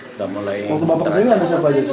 tidak mulai tercampur